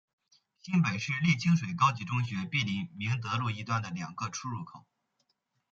新北市立清水高级中学毗邻明德路一段的两个出入口。